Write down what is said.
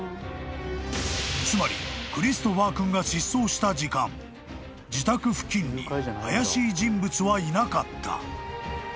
［つまりクリストファー君が失踪した時間自宅付近に怪しい人物はいなかった］